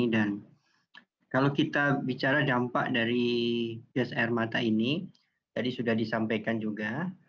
dan kalau kita bicara dampak dari gas air mata ini tadi sudah disampaikan juga